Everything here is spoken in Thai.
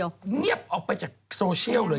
เงียบออกไปจากโซเชียลเลย